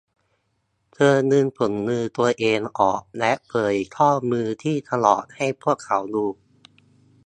เธอดึงถุงมือตัวเองออกและเผยข้อมือที่ถลอกให้พวกเขาดู